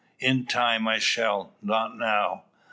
"In time I shall not now."